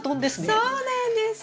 そうなんです！